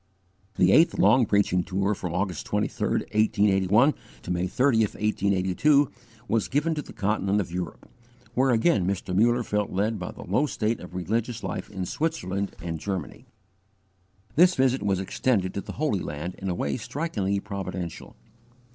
The eighth long preaching tour, from August 23, 1881, to May 30, 1882, was given to the Continent of Europe, where again Mr. Muller felt led by the low state of religious life in Switzerland and Germany. This visit was extended to the Holy Land in a way strikingly providential.